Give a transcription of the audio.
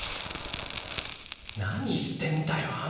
何してんだよ